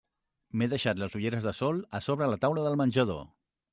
M'he deixat les ulleres de sol a sobre la taula del menjador.